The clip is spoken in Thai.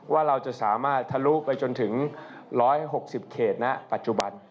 ว่าเราจะสามารถทะลุไปจนถึง๑๖๐เขตณปัจจุบัน